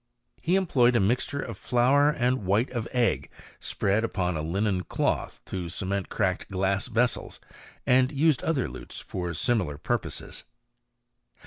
He employed a mixture of flour and white of egg spread upon a linen cloth to cement cracked glass vessels, and used other lutes for similar pur poses.